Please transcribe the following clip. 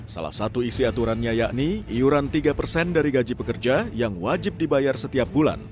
salah satu isi aturannya yakni iuran tiga persen dari gaji pekerja yang wajib dibayar setiap bulan